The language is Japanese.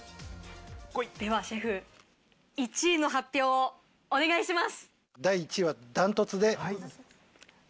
ではシェフ、１位の発表をお願いします。